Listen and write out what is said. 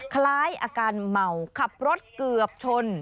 คล้ายอาการเมาขับรถเกือบชน